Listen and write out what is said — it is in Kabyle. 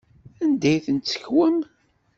Anda ay ten-tessekwem?